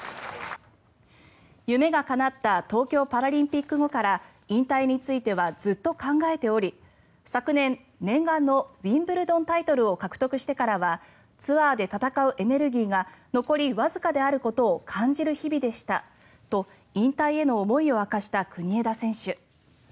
夢がかなった東京パラリンピック後から引退についてはずっと考えており昨年、念願のウィンブルドンタイトルを獲得してからはツアーで戦うエネルギーが残りわずかであることを感じる日々でしたと引退への思いを明かした国枝選手。